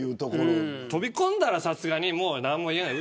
飛び込んだらもう何も言えない。